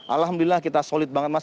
alhamdulillah kita solid banget mas